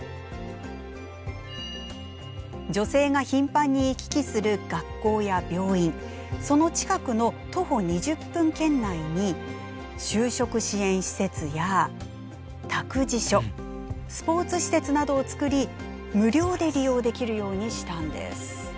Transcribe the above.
女性が頻繁に行き来する学校や病院その近くの徒歩２０分圏内に就職支援施設や託児所スポーツ施設などを造り無料で利用できるようにしたんです。